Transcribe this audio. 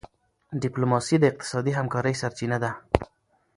ډيپلوماسي د اقتصادي همکارۍ سرچینه ده.